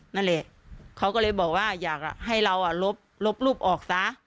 นั่นแหละเขาก็เลยบอกว่าอยากให้เราลบรูปออกซะ